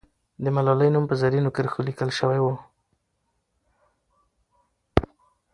د ملالۍ نوم په زرینو کرښو لیکل سوی وو.